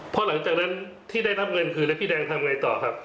พอหลังจากนั้นที่ได้รับเงินคืนแล้วพี่แดงทำไงต่อครับ